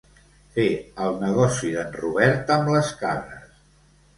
Fer el negoci d'en Robert amb les cabres.